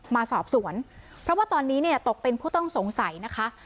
มาสอบสวนเพราะว่าตอนนี้เนี่ยตกเป็นผู้ต้องสงสัยนะคะ